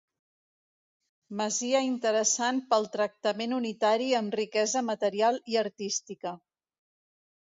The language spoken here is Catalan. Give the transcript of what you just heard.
Masia interessant pel tractament unitari amb riquesa material i artística.